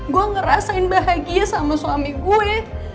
gue ngerasain bahagia sama suami gue